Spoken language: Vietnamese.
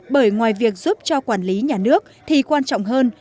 bởi ngoài việc giúp cho quản lý nhà nước thì quan trọng hơn